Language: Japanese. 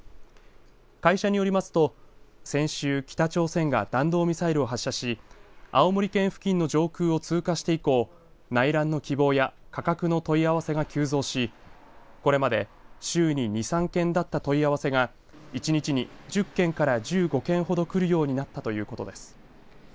会社によりますと先週、北朝鮮が弾道ミサイルを発射し青森県付近の上空を通過して以降内覧の希望や価格の問い合わせが急増しこれまで週に２、３件だった問い合わせが１日に１０件から１５件ほどくるよりなったということです。